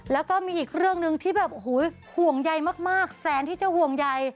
แล้วก็มีอีกเรื่องหนึ่งที่แบบโอ้โหห่วงใยมากแสนที่จะห่วงใย